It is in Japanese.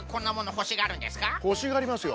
ほしがりますよ。